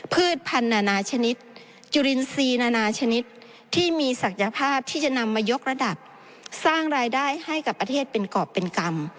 พืชพันธนานาชนิดจุลินทรีย์นานาชนิดที่มีศักยภาพที่จะนำมายกระดับสร้างรายได้ให้กับประเทศเป็นกรอบเป็นกรรม